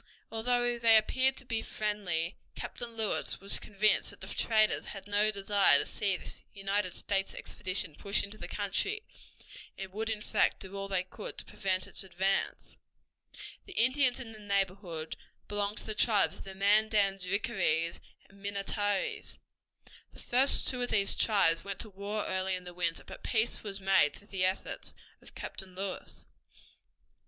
Although they appeared to be friendly, Captain Lewis was convinced that the traders had no desire to see this United States expedition push into the country, and would in fact do all they could to prevent its advance. The Indians in the neighborhood belonged to the tribes of the Mandans, Rickarees, and Minnetarees. The first two of these tribes went to war early in the winter, but peace was made through the efforts of Captain Lewis.